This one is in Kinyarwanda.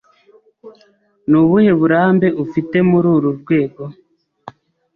Ni ubuhe burambe ufite muri uru rwego?